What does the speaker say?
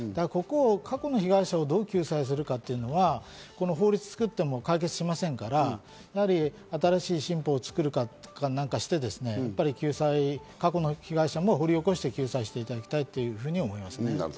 過去の被害者をどう救済するかっていうのは法律を作っても解決しませんから、新しい新法を作るかなんかして、過去の被害者も掘り起こして救済していただきたいと思います。